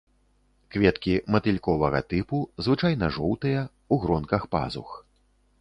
Кветкі матыльковага тыпу, звычайна жоўтыя, у гронках пазух.